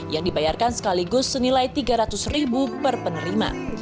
yang dibayarkan sekaligus senilai rp tiga ratus ribu per penerima